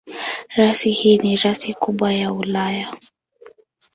Rasi hii ni rasi kubwa ya Ulaya.